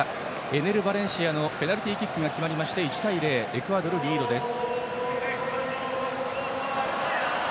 エネル・バレンシアのペナルティーキックが決まり１対０、エクアドルがリードです。